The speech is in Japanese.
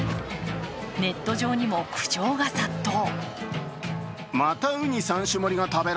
ネット上にも苦情が殺到。